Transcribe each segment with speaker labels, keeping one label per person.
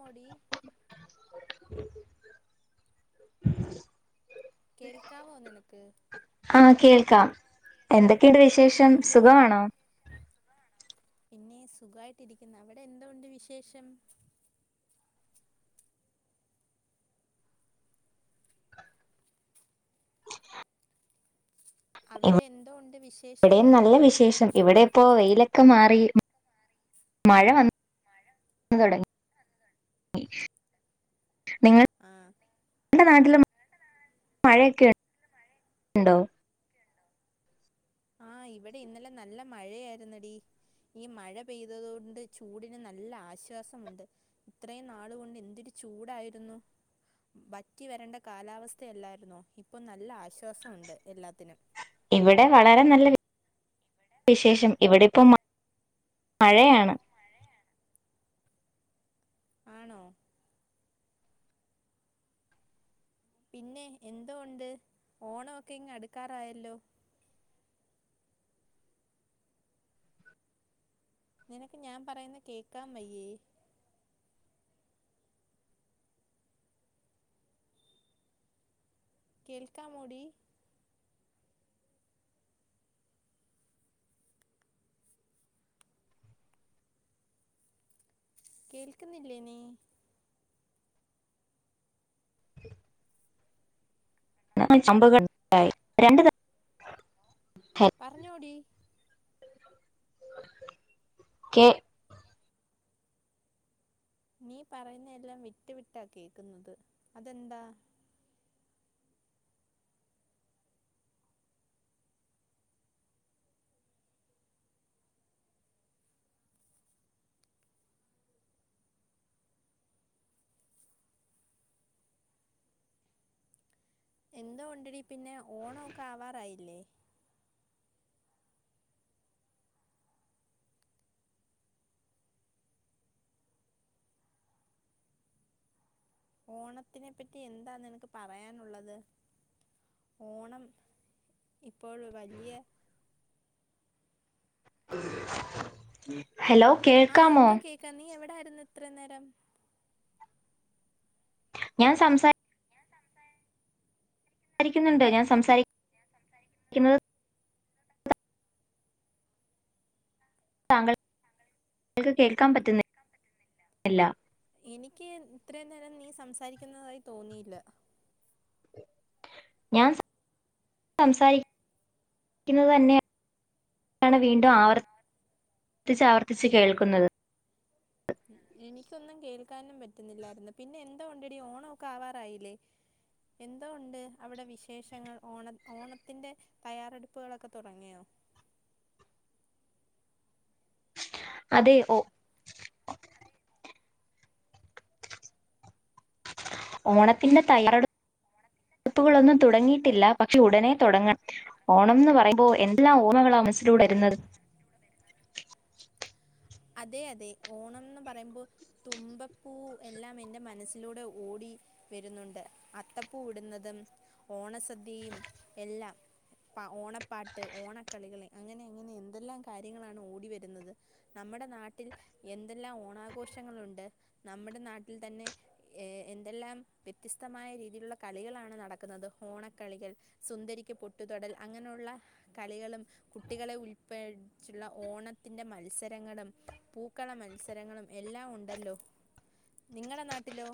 Speaker 1: മുടി
Speaker 2: [unintelligible]
Speaker 1: കേൾക്കാവോ നിനക്ക്
Speaker 2: ആഹ് കേൾക്കാം എന്തൊക്കെയുണ്ട് വിശേഷം
Speaker 1: എന്തോ
Speaker 2: സുഖമാണോ
Speaker 1: പിന്നെ സുഖായിട്ടിരിക്കുന്ന് അവിടെ എന്തു ഉണ്ട് വിശേഷം അവിടെ എന്തോ ഉണ്ട് വി
Speaker 2: ഇവിടെയും നല്ല വിശേഷം ഇവിടെ പ്പോ വെയിലൊക്കെ മാറി മഴ വന്ന് തുടങ്ങി ങ്ങി നിങ്ങൾ
Speaker 1: ആഹ്
Speaker 2: അന്റെ നാട്ടില് മഴയൊക്കെ ഇണ്ടോ
Speaker 1: ആഹ് ഇവിടെ ഇന്നലെ നല്ല മഴയായിര്ന്നടി ഈ മഴ പൈയ്തതോണ്ട് ചൂടിന് നല്ല ആശ്വാസമുണ്ട് ഇത്രയും നാള് കൊണ്ട് എന്തൊരു ചൂടായിരുന്നു ഭറ്റി വരേണ്ട കാലാവസ്ഥയല്ലായിരുന്നോ ഇപ്പം നല്ല ആശ്വാസമുണ്ട് എല്ലാത്തിനും
Speaker 2: ഇവിടെ വളരെ നല്ല വിശേഷം ഇവിടെ ഇപ്പം മ മഴയാണ്
Speaker 1: മഴയാണ് ആണോ പിന്നെ എന്തോ ഉണ്ട് ഓണം ഒക്കെ ഇങ്ങ് അടുക്കാറായല്ലോ നിനക്ക് ഞാ പറയുന്ന കേൾക്കാൻ വയ്യേ കേൽക്കാമോടി കേൾക്ക്ന്നില്ലേ നീ
Speaker 2: [inaudible] [unintelligible] കട്ടായി രണ്ട് തവണ
Speaker 1: പറഞ്ഞോടി
Speaker 2: കേ
Speaker 1: നീ പറയുന്ന എല്ലാം വിട്ടു വിട്ടാ കേക്കുന്നത് അതെന്താ എന്തോ കൊണ്ടടി പിന്നെ ഓണം ഒക്കെ ആവാറായില്ലേ ഓണത്തിനെപ്പറ്റി എന്താ നിനക്ക് പറയാനുള്ളത് ഓണം ഇപ്പോൾ വലിയ
Speaker 2: ഹലോ കേൾക്കാമോ
Speaker 1: കാം നീ എവിടൊയിരുന്നു ഇത്ര നേരം
Speaker 2: ഞാ സംസാ
Speaker 1: ഞാൻ സംസാരി
Speaker 2: സംസാരിക്കുന്നുണ്ടോ ഞാൻ സംസാരിക്കുന്നത് താങ്കൾ താങ്കൾക്ക് കേൾക്കാൻ പറ്റുന്നില്ല
Speaker 1: എനിക്ക് ഇത്രയും നേരം നീ സംസാരിക്കുന്നതായി തോന്നിയില്ല
Speaker 2: ഞാൻ സംസാരിക്കുന്നത് തന്നെയ ആണ് വീണ്ടും ആവർത്തിച്ച് ആവർത്തിച്ച് കേൾക്കുന്നത്
Speaker 1: എനിക്കൊന്നും കേൾക്കാനും പറ്റുന്നില്ലായിരുന്നു പിന്നെ എന്തോ ഒണ്ടടി ഓണം ഒക്കെ ആവാറായില്ലേ എന്തോ ഒണ്ട് അവിടെ വിശേഷങ്ങൾ ഓണ ഓണത്തിൻ്റെ തയ്യാറെടുപ്പുകളൊക്കെ തുടങ്ങിയോ
Speaker 2: അതെ ഓഹ്
Speaker 1: അതെ
Speaker 2: ഓണത്തിന്റെ തയ്യാറെടുപ്പുകളൊന്നും തുടങ്ങിയിട്ടില്ല പക്ഷെ ഉടനെ തുടങ്ങണം ഓണം എന്ന് പറയുമ്പോ എന്തെല്ലാം ഓർമകളാ മനസ്സിലൂടെ വരുന്നത്
Speaker 1: അതെ അതെ ഓണംന്ന് പറയുമ്പോ തുമ്പപ്പൂ എല്ലാം എന്റെ മനസ്സിലൂടെ ഓടി വരുന്നുണ്ട് അത്തപ്പൂ ഇടുന്നതും ഓണസദ്യയും എല്ലാം പ ഓണപ്പാട്ട് ഓണക്കളികള് അങ്ങനെ അങ്ങനെ എന്തെല്ലാം കാര്യങ്ങളാണ് ഓടി വരുന്നത് നമ്മുടെ നാട്ടിൽ എന്തെല്ലാം ഓണാഘോഷങ്ങളുണ്ട് നമ്മുടെ നാട്ടിൽ തന്നെ ഏഹ് എന്തെല്ലാം വ്യത്യസ്തമായ രീതി രീതിയിലുള്ള കളികളാണ് നടക്കുന്നത് ഓണക്കളികൾ സുന്ദരിക്ക് പൊട്ടുതൊടൽ അങ്ങനെയുള്ള കളികളും കുട്ടികളെ ഉൾപ്പെടിച്ചുള്ള ഓണത്തിന്റെ മത്സരങ്ങളും പൂക്കള മത്സരങ്ങളും എല്ലാം ഉണ്ടല്ലോ നിങ്ങളുടെ നാട്ടിലോ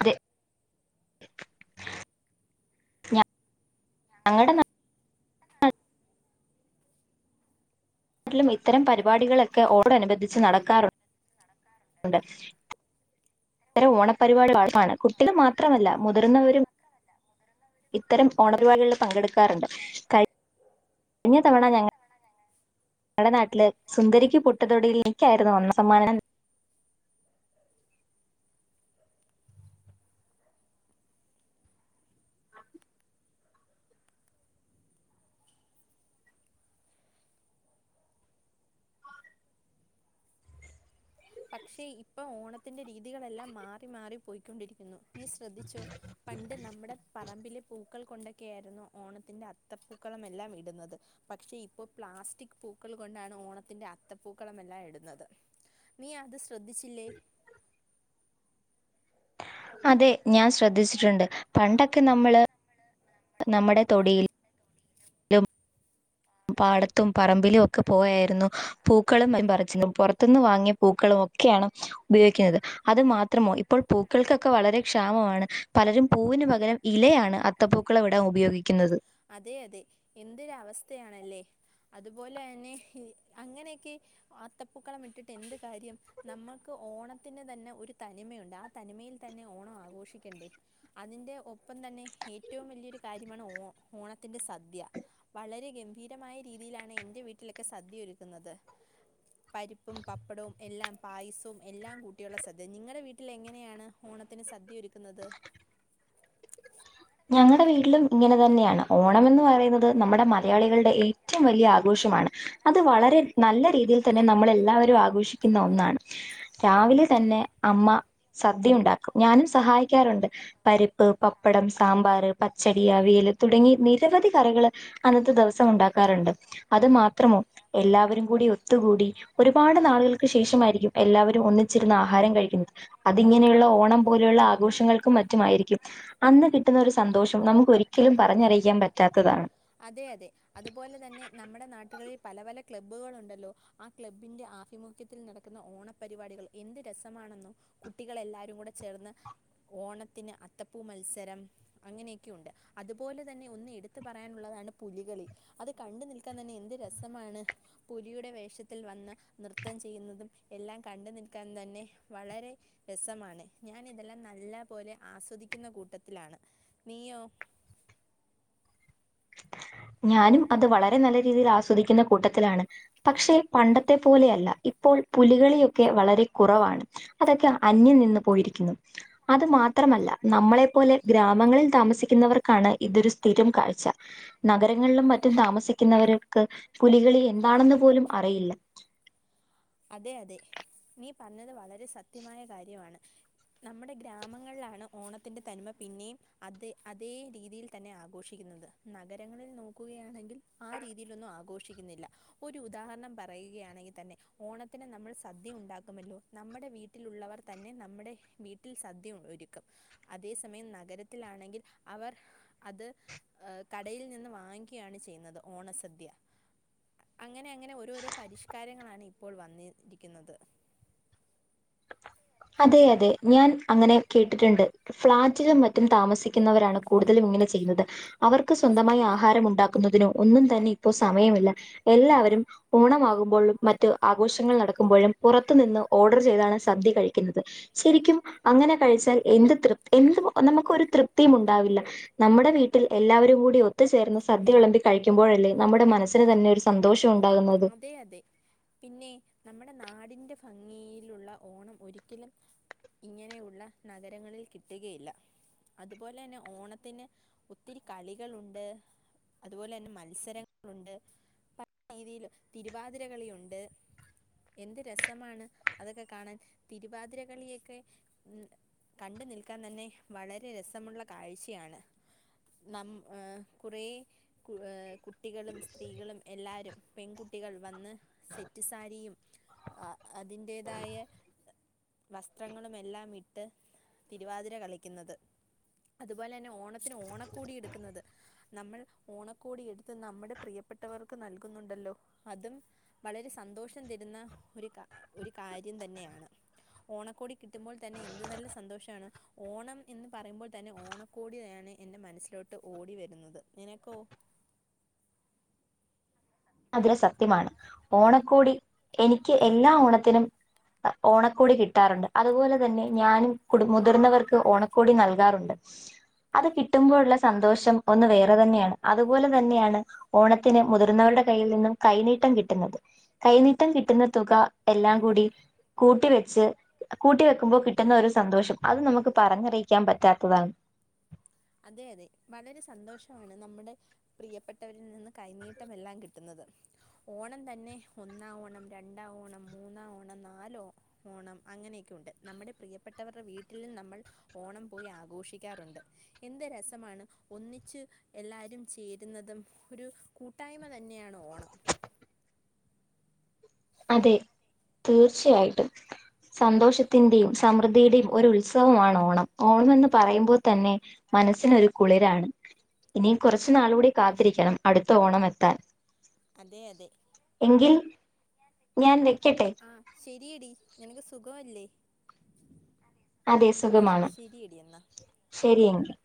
Speaker 2: അതെ
Speaker 1: അതെ
Speaker 2: ഞങ്ങടെ നാ ട്ടിലും ഇത്തരം പരിപാടികളൊക്കെ ഓട അനുബന്ധിച്ച് നടക്കാറുണ്ട് ഇത്ര ഓണപരിപാടി ആക്കാണ് കുട്ടികൾ മാത്രമല്ല മു മുതിർന്നവരും ഇത്തരം ഓണരിപാടികളിൽ പങ്കെടുക്കാറുണ്ട്. കഴിഞ്ഞ തവണ ഞങ്ങൾ നമ്മുടെ നാട്ടില് സുന്ദരിക്ക് പൊട്ടത്തൊടൽ എനിക്കായിരുന്നു ഒന്നാം സമ്മാനം
Speaker 1: പക്ഷേ ഇപ്പോൾ ഓണത്തിൻന്റെറെ രീതികളെല്ലാം മാറി മാറി പോയിക്കൊണ്ടിരിക്കുന്നു നീ ശ്രദ്ധിച്ചോ പണ്ട് നമ്മുടെ പ പറമ്പിലെ പൂക്കൾ കൊണ്ടൊക്കെയായിയിരുന്നു ഓണത്തിന്റെ അത്തപ്പൂക്കളമെല്ലാം ഇടുന്നത് പക്ഷെ ഇപ്പൊ പ്ലാസ്റ്റിക് പൂക്കൾ കൊണ്ടാണ് ഓണത്തിന്റെ അത്തപ്പൂക്കളമല്ലാം ഇടുന്നത് നീ അത് ശ്രദ്ധിച്ചില്ലേ
Speaker 2: അതെ ഞാൻ ശ്രദ്ധിച്ചിട്ടുണ്ട് പണ്ടൊക്കെ നമ്മള് നമ്മുടെ തൊടിയിൽ ലും പാടത്തും പറമ്പിലും ഒക്കെ പോയായിരുന്നു പൂക്കളും പറിച്ചിരുന്നു പുറത്തുന്ന് വാങ്ങിയ പൂക്കളും ഒക്കെയാണ് ഉപയോഗിക്കുന്നത് അത് മാത്രമോ പ്പോൾ പൂക്കൾക്കൊക്കെ വളരെ ക്ഷാമമാണ് പലരും പൂവിന് പകരം ഇലയാണ്. അത്ത പൂക്കളം ഇടാൻ ഉപയോഗിക്കുന്നത്.
Speaker 1: അതെ അതെ എന്തൊരു അവസ്ഥയാണല്ലേ അതുപോലെ തന്നെ അങ്ങനെയൊക്കെ ആത്തപ്പൂക്കളം ഇട്ടിട്ട് എന്ത് കാര്യം നമ്മൾക്ക് ഓണത്തിന് തന്നെ ഒരു തനിമയുണ്ട് ആ തനിമയിൽ തന്നെ ഓണം ആഘോഷിക്കണ്ടേ അതിന്റെ ഒപ്പം തന്നെ ഏറ്റോം വലിയൊരു കാര്യമാണ് ഓ ഓണത്തിന്റെ സദ്യ. വളരെ ഗംഭീരമായ രീതിയിലാണ് എന്റെ വീട്ടിലൊക്കെ സദ്യ ഒരുക്കുന്നത്. പരിപ്പും, പപ്പടോം, എല്ലാം പായസോം എല്ലാം കൂട്ടിയുള്ള സദ്യ നിങ്ങടെ വീട്ടിൽ എങ്ങനെയാണ് ഓണത്തിന് സദ്യ ഒരുക്കുന്നത്.
Speaker 2: ഞങ്ങടെ വീട്ടിലും ഇങ്ങനെ തന്നെയാണ് ഓണം എന്ന് പറയുന്നത് നമ്മുടെ മ മലയാളികളുടെ ഏറ്റവും വലിയ ആഘോഷമാണ് അത് വളരെ നല്ല രീതിയിൽ തന്നെ നമ്മള് എല്ലാവരും ആഘോഷി ക്കുന്ന ഒന്നാണ്
Speaker 1: ഞങ്ങൾ
Speaker 2: രാവിലെ തന്നെ അമ്മ സദ്യ ഉണ്ടാക്കും ഞാനും സഹായിക്കാറുണ്ട് പരിപ്പ്, പപ്പടം. താമ്പാർ, പച്ചടി, അവിയല്, തുടങ്ങി നിരവധി കറികള് അന്നത്തെ ദിവസം ഉണ്ടാക്കാറുണ്ട് അത് മാത്രമോ എല്ലാവരും കൂടി ഒത്തുകൂടി ഒരുപാട് നാളുകൾക്ക് ശേഷമായിരിക്കും എല്ലാവരും ഒന്നിച്ചിരുന്ന് ആഹാരം കഴിക്കുന്നത് അതിങ്ങനെയുള്ള ഓണം പോലെയുള്ള ആഘോഷങ്ങൾക്ക് മ റ്റുആയിരിക്കും അന്ന് കിട്ടുന്ന ഒരു സന്തോഷം നമുക്ക് ഒരിക്കലും പറഞ്ഞറിയിക്കാൻ പറ്റാത്തതാണ്
Speaker 1: അതെ അതെ അതുപോലെ തന്നെ നമ്മുടെ നാട്ടുകളിൽ പല പല ക്ലബ്ബുകളുണ്ടല്ലോ ആ ക്ലബ്ബിന്റെ ആഭിമുഖ്യത്തിൽ നടക്കുന്ന ഓണപരിപാടികൾ എന്ത് രസമാണെന്നോ കുട്ടികൾ എല്ലാരും കൂടെ ചേർന്ന് ഓണത്തിന് അത്തപ്പൂ മത്സരം അങ്ങനെയൊക്കെ ഉണ്ട് അതുപോലെ തന്നെ ഒന്ന് എടുത്ത് പറ പറയാൻ ഉള്ളതാണ് പുലികളി അത് കണ്ടു നിൽക്കാൻ തന്നെ എന്ത് രസമാണ്. പുലിയുടെ വേഷത്തിൽ വന്ന് നൃത്തം ചെയ്യുന്നതും എല്ലാം കണ്ടു നിൽക്കാൻ തന്നെ വളരെ രസമാണ് ഞാൻ ഇതെല്ലാം നല്ല പോലെ ആസ്വദിക്കുന്ന കൂട്ടത്തിലാണ് നീയോ
Speaker 2: ഞാനും അത് വളരെ നല്ല രീതിയിൽ ആസ്വദിക്കുന്ന കൂട്ടത്തിലാണ് പക്ഷെ പണ്ടത്തെ പോലെയല്ല ഇപ്പോൾ പുലികളിയൊക്കെ വളരെ കുറവാണ് അതൊക്കെ അന്യം നിന്ന് പോയിരിക്കുന്നു അത് മാത്രമല്ല നമ്മളെ പോലെ ഗ്രാമങ്ങളിൽ താമസിക്കുന്നവർക്കാണ് ഇതൊരു സ്ഥിരം കാഴ്ച നഗരങ്ങളിലും മറ്റും താമസിക്കുന്നവര്ക്ക് പൂലികളി എന്താണെന്ന് പോലും അറിയില്ല
Speaker 1: അതെ അതെ നീ പറഞ്ഞത് വളരെ സത്യമായ കാര്യവാണ് നമ്മുടെ ഗ്രാമങ്ങളിലാണ് ഓണത്തിൻ്റെ തനിമ പിന്നെയും അതേ അതേ രീതിയിൽ തന്നെ ആഘോഷിക്കുന്നത്. നഗരങ്ങളിൽ നോക്കുകയാണെങ്കിൽ ആ രീതിയിലൊന്നും ആഘോഷിക്കുന്നില്ല. ഒരു ഉദാഹരണം പറയുകയാണെങ്കിൽ തന്നെ ഓണത്തിന് നമ്മൾ സദ്യ ഉണ്ടാക്കുമല്ലോ? നമ്മുടെ വീട്ടിലുള്ളവർ തന്നെ നമ്മുടെ വീ ട്ടിൽ സദ്യ ഒരുക്കും അതേ സമയം നഗരത്തിലാണെങ്കിൽ അവർ അത് ഏ കടയിൽ നിന്ന് വാങ്ങിക്കയാണ് ചെയ്യുന്നത് ഓണസദ്യ. അങ്ങനെ അങ്ങനെ ഓരോരോ പരിഷ്കാരങ്ങളാണ് ഇപ്പോൾ വന്ന് ഇരിക്കുന്നത്.
Speaker 2: അതെ അതെ ഞാൻ അങ്ങനെ കേട്ടിട്ടുണ്ട്. ഫ്ളാറ്റിലും മറ്റും താമസിക്കുന്നവരാണ് കൂടുതലും ഇങ്ങനെ ചെയ്യുന്നത് അവർക്ക് സ്വന്തമായി ആഹാരം ഉണ്ടാക്കുന്നതിനോ ഒന്നും തന്നെ ഇപ്പോ സമയമില്ല. എല്ലാവരും ഓണമാകു മ്പോളും മറ്റ് ആഘോഷങ്ങൾ നടക്കുമ്പോഴും പുറത്തു നിന്ന് ഓർഡർ ചെയ്താണ് സദ്യ കഴി ശരിക്കും അങ്ങനെ കഴിച്ചാൽ എന്ത് തൃപ് എന്ത് നമുക്ക് ഒരു തൃപ്തിയും ഉണ്ടാവില്ല. നമ്മുടെ വീട്ടിൽ എല്ലാവരും കൂടി ഒത്തു ചേർന്ന് സദ്യ വിളമ്പി കഴിക്കുമ്പോഴല്ലേ നമ്മുടെ മനസ്സിന് തന്നെ ഒരു സന്തോഷം ഉണ്ടാകുന്ന
Speaker 1: അതെ അതെ പിന്നെ നമ്മുടെ നാടിന്റെ ഭംഗിയിലുള്ള ഓണം ഒരിക്കലും ഇങ്ങനെയുള്ള നഗരങ്ങളിൽ കിട്ടകയില്ല. അതുപോലെന്നെ ഓണത്തിന് ഒത്തിരി കളികളുണ്ട്. അതുപോലെന്നെ മത്സരങ്ങളുണ്ട്. പല രീതിയിലും തിരുവാതിരകളിയുണ്ട്. എന്ത് രസമാണ് അതൊക്കെ കാണാൻ. തിരുവാതിരകളിയൊക്കെ ഉം കണ്ട് നിൽക്കാൻ തന്നെ വളരെ രസമുള്ള കാഴ്ചയാണ്. നം ഏഹ് കുറേ ഏ കുട്ടികളും സ്ത്രീകളും എല്ലാരും പെൺകുട്ടികൾ വന്ന് സെറ്റ് സാരിയും അതിൻ്റേതായ വസ്ത്രങ്ങളുമെല്ലാം ഇട്ട് തിരുവാതിര കളിക്കുന്നത്. അതുപോലന്നെ ഓണ ത്തിന് ഓണക്കോടി എടുക്കുന്നത്. നമ്മൾ ഓണക്കോടി എടുത്ത് നമ്മുടെ പ്രിയപ്പെട്ടവർക്ക് നൽകുന്നുണ്ട്. ണ്ടല്ലോ? അതും വളരെ സന്തോഷം തരുന്ന ഒരു ഒരു കാര്യം തന്നെയാണ്. ഓണക്കോടി കിട്ടുമ്പോൾ തന്നെ എന്ത് നല്ല സന്തോഷാണ്. ഓണം എന്ന് പറയുമ്പോൾ തന്നെ ഓണക്കോടിയാണ് എൻറെ മനസ്സിലോട്ട് ഓടി വരുന്നത്. നിനക്കോ? [unintelligible]
Speaker 2: അതെല്ലാം സത്യമാണ് ഓണക്കോടി എനിക്ക് എല്ലാ ഓണത്തിനും ഓണക്കോടി കിട്ടാറുണ്ട്. അതുപോലെ തന്നെ ഞാനും കുടും മുതിർന്നവർക്ക് ഓണക്കോടി നൽകാറുണ്ട്. അത് കിട്ടുമ്പോഴുള്ള സന്തോഷം ഒന്ന് വേറെ തന്നെയാണ്. അത് പോലെ തന്നെയാണ്. ഓണത്തിന് മുതിർന്നവരുടെ കയ്യിൽ നിന്നും കൈനീട്ടം കിട്ടുന്നത്. കൈനീട്ടം കിട്ടുന്ന തുക എല്ലാം കൂടി കൂട്ടി വെച്ച് കൂട്ടി വെക്കുമ്പോൾ കിട്ടുന്ന ഒരു സന്തോഷം അത് നമുക്ക് പറഞ്ഞറിയിക്കാൻ പറ്റാത്തതാണ്.
Speaker 1: അതെയതെ വളരെ സന്തോഷമാണ് നമ്മ്ടെ പ്രീയപ്പെട്ടവരിൽ നിന്ന് കൈനീട്ടമെല്ലാം കിട്ട്ന്നത്. ഓണം തന്നെ ഒന്നാം ഓണം രണ്ടാം ഓണം മൂന്നാം ഓണം നാലോ ഓണം അങ്ങനെയൊക്കെയുണ്ട്. നമ്മുടെ പ്രീയപ്പെട്ടവരുടെ വീട്ടിലും നമ്മൾ ഓണം പോയി ആഘോഷിക്കാറുണ്ട്. എന്ത് രസമാണ് ഒന്നിച്ച് എല്ലാരും ചേരുന്നതും ഒരു കൂട്ടായ്മ തന്നെയാണ് ഓണം.
Speaker 2: അതെ തീർച്ചയായിട്ടും. സന്തോഷത്തിന്റെയും സമൃദ്ധിയുടെയും ഒരു ഉത്സവ മാണ് ഓണം. ഓണംന്ന് പറയുമ്പോൾ തന്നെ മനസ്സിനൊരു കുളിരാണ്. ഇനിയും കുറച്ചു നാള് കൂടി കാത്തിരിക്കണം അടുത്ത ഓണം എത്താൻ.
Speaker 1: അതെ അതെ
Speaker 2: എങ്കിൽ ഞാൻ വെക്കട്ടെ
Speaker 1: ആഹ് ശെരിയടി നിനക്ക് സുഖവല്ലേ? അഹ് ശരീടി എന്നാ.
Speaker 2: ശരിയെങ്കി